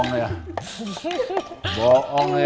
enggak enggak enggak